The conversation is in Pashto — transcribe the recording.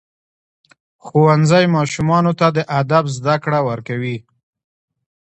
ښوونځی ماشومانو ته د ادب زده کړه ورکوي.